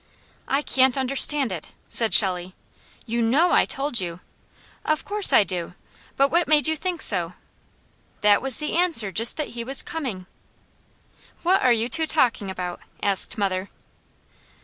"I can't understand it!" said Shelley. "YOU KNOW I told you." "Of course I do! But what made you think so?" "That was the answer. Just that he was coming." "What are you two talking about?" asked mother.